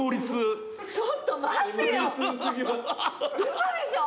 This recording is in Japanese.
嘘でしょ！